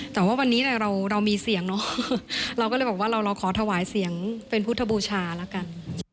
แต่ว่าวันนี้เรามีเสียงเนอะเราก็เลยบอกว่าเราขอถวายเสียงเป็นพุทธบูชาแล้วกัน